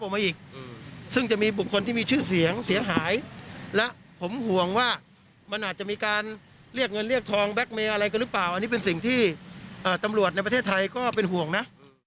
เรียกทองแก๊กเมย์อะไรกันหรือเปล่าอันนี้เป็นสิ่งที่ตำรวจในประเทศไทยก็เป็นห่วงนะ